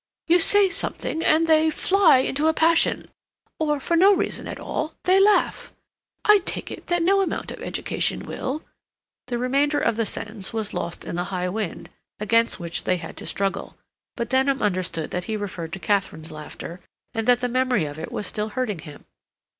"You say something and they—fly into a passion. Or for no reason at all, they laugh. I take it that no amount of education will—" The remainder of the sentence was lost in the high wind, against which they had to struggle; but Denham understood that he referred to Katharine's laughter, and that the memory of it was still hurting him.